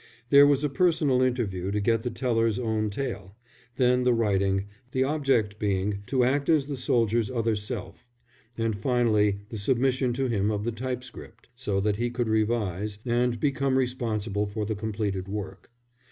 There was a personal interview to get the teller's own tale; then the writing, the object being to act as the soldier's other self; and finally the submission to him of the typescript, so that he could revise and become responsible for the completed work.